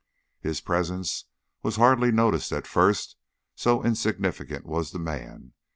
His presence was hardly noticed at first, so insignificant was the man.